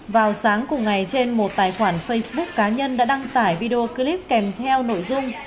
vào sáng cùng ngày trên một tài khoản facebook cá nhân đã đăng tải video clip kèm theo nội dung